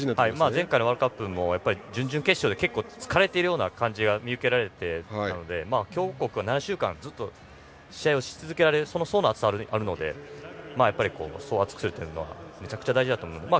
前回のワールドカップも準々決勝で結構疲れている感じが見受けられてきたので強豪国は７週間ずっと試合をし続けられる層の厚さがあるので層を厚くするのは大事だと思います。